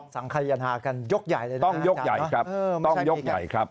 สังขยันนากันยกใหญ่เลยนะต้องยกใหญ่ครับต้องยกใหญ่ครับ